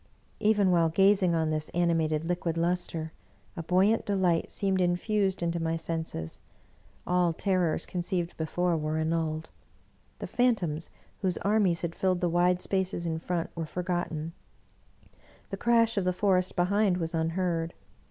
Even while gazing on this animated liquid luster, a buoyant delight seemed infused into my senses ; all terrors 94 Butwer Lytton conceived before were annulled; the phantoms, whose armies had filled the wide spaces in front, were forgotten ; the crash of the forest behind was unheard.